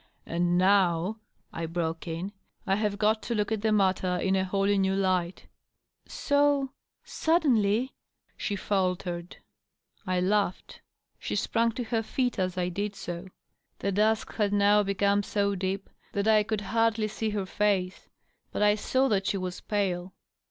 " And now," I broke in, " I have got to look at the matter in a wholly new light.", " So .. suddenly ?" she faltered I laughed. She sprang to her feet as I did so. The dusk had now become so deep that I could hardly see her face ; but I saw that she was pale.